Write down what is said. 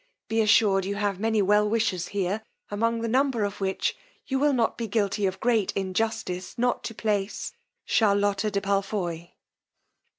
Be assured you have many well wishers here, among the number of whom you will be guilty of great injustice not to place CHARLOTTA DE PALFOY."